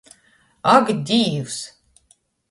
Ak Dīvs!